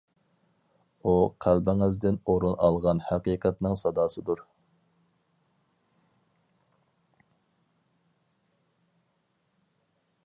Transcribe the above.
ئۇ، قەلبىڭىزدىن ئورۇن ئالغان ھەقىقەتنىڭ ساداسىدۇر.